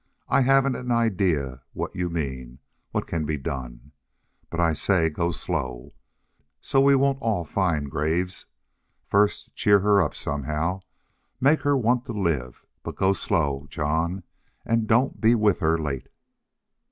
I haven't an idea what you mean what can be done. But I say, go slow, so we won't all find graves. First cheer her up somehow. Make her want to live. But go slow, John. AND DON'T BE WITH HER LATE!" ..